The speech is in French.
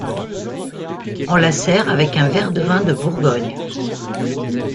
On la sert avec un verre de vin de Bourgogne.